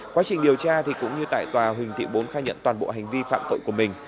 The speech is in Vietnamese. quá trình điều tra thì cũng như tại tòa huỳnh thị bốn khai nhận toàn bộ hành vi phạm tội của mình